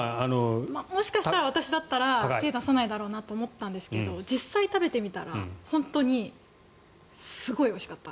もしかしたら私だったら手を出さないだろうなと思ったんですけど実際、食べてみたら本当にすごいおいしかった。